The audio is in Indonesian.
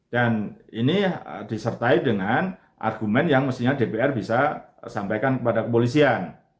dan ini disertai dengan argumen yang mestinya dpr bisa sampaikan kepada kepolisian